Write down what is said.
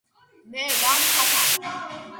მე ვარ თათა.